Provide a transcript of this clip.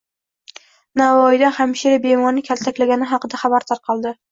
Navoiyda hamshira bemorni kaltaklagani haqida xabar tarqaldi